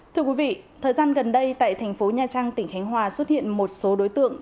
thưa quý vị thời gian gần đây tại thành phố nha trang tỉnh khánh hòa xuất hiện một số đối tượng